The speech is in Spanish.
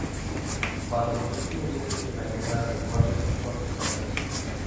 Pasó los últimos meses de la guerra a resguardo en puertos japoneses.